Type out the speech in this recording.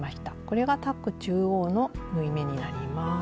これがタック中央の縫い目になります。